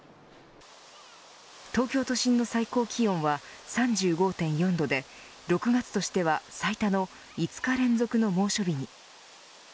東京都心の最高気温は３５．４度で６月としては最多の５日連続の猛暑日に。